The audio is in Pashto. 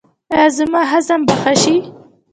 ایا زما هضم به ښه شي؟